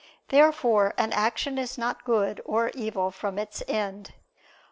Therefore an action is not good or evil from its end.